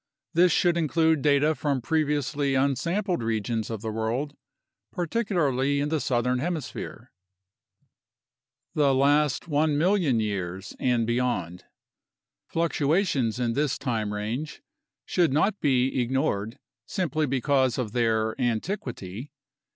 This should include data from previously unsampled regions of the world, particularly in the southern hemisphere. The last 1,000,000 years and beyond. Fluctuations in this time range should not be ignored simply because of their antiquity.